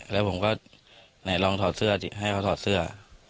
แล้วผมก็ไหนลองถอดเสื้อสิให้เขาถอดเสื้อ